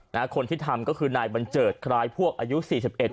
คนที่ทำก็คือนายบัญเจิดคล้ายพวกอายุสี่สิบเอ็ด